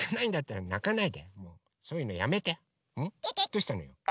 どうしたのよ？